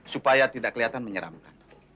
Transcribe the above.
supaya tidak kelihatan menyeramkan